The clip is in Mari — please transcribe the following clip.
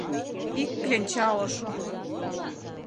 — Ик кленча ошо.